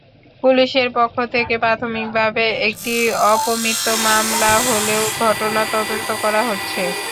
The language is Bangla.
পুলিশের পক্ষ থেকে প্রাথমিকভাবে একটি অপমৃত্যু মামলা হলেও ঘটনা তদন্ত করা হচ্ছে।